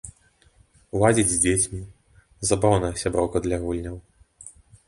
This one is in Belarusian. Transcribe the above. Ладзіць з дзецьмі, забаўная сяброўка для гульняў.